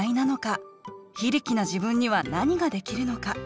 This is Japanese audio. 非力な自分には何ができるのか？